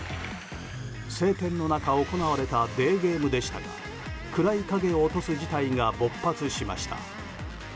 晴天の中、行われたデーゲームでしたが暗い影を落とす事態が勃発しました。